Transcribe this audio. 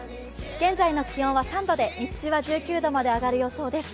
現在の気温は３度で、日中は１４度まで上がる予想です。